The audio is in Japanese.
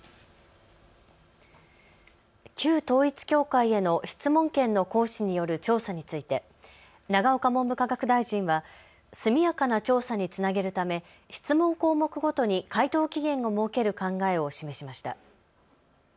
旧統一教会への質問権の行使による調査について永岡文部科学大臣は速やかな調査につなげるため質問項目ごとに回答期限を設ける考えを示しました。